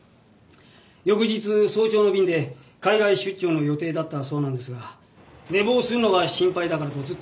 翌日早朝の便で海外出張の予定だったそうなんですが寝坊するのが心配だからとずっと起きていたようです。